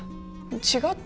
違った？